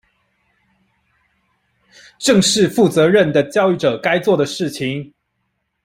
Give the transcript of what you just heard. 正是負責任的教育者該做的事情